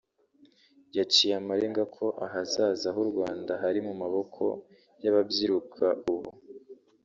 yaciye amarenga ko ahazaza h’u Rwanda hari mu maboko y’Ababyiruka ubu